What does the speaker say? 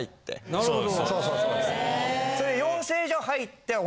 なるほど。